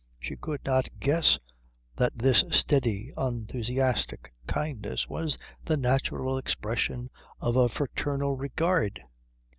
She could not guess that this steady unenthusiastic kindness was the natural expression of a fraternal regard.